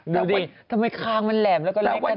ดูดิทำไมขางมันแหลมแล้วก็เล็กขนาดนั้น